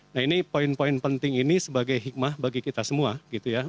nah ini poin poin penting ini sebagai hikmah bagi kita semua gitu ya